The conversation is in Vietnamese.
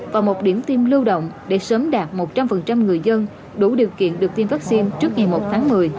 và một điểm tiêm lưu động để sớm đạt một trăm linh người dân đủ điều kiện được tiêm vaccine trước ngày một tháng một mươi